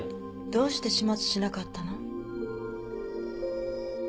どうして始末しなかったの？